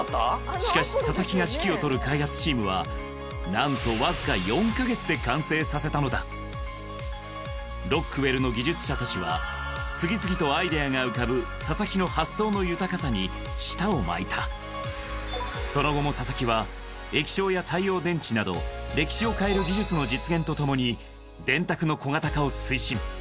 しかし佐々木が指揮を執る開発チームはなんと「ロックウェル」の技術者たちは次々とアイデアが浮かぶ佐々木の発想の豊かさに舌を巻いたその後も佐々木は液晶や太陽電池など歴史を変える技術の実現とともに電卓の小型化を推進